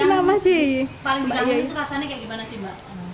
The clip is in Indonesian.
paling dikangenin rasanya kayak gimana sih mbak